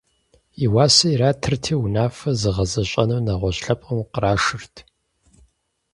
И уасэр иратырти, унафэр зыгъэзэщӏэнур нэгъуэщӏ лъэпкъым кърашырт.